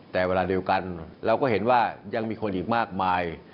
แต่เวลาเดียวกันเราก็เห็นว่ายังมีคนอีกมากมาย